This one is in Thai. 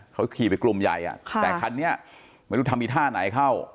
เขาขี่ไปกลุ่มใหญ่แต่คันนี้ไม่รู้ทำอีท่าไหนเข้า